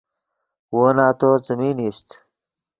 وو نتو څیمین ایست